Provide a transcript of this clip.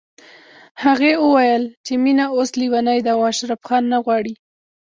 هغې ويل چې مينه اوس ليونۍ ده او اشرف خان نه غواړي